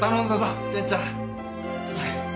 はい。